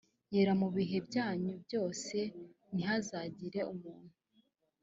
yera mu bihe byanyu byose ntihazagire umuntu